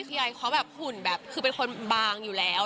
ไอเขาแบบหุ่นแบบคือเป็นคนบางอยู่แล้ว